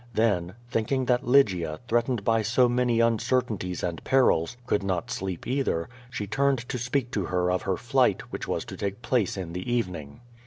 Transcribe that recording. Then, thinking that Lygia, threatened by so many uncertainties and perils, could not sleep either, she turned to speak to her of her flight, which was to take place in the evening.